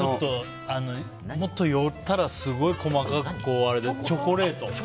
もっと寄ったら細かくチョコレート。